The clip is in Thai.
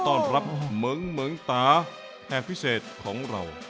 ต้อนรับเมิงเมิงตาแพร่พิเศษของเรา